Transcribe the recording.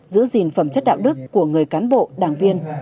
giữ gìn phẩm chất đạo đức của người cán bộ đảng viên